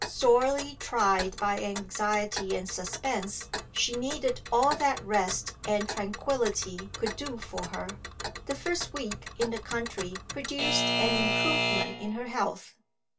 Sorely tried by anxiety and suspense, she needed all that rest and tranquillity could do for her. The first week in the country produced an improvement in her health.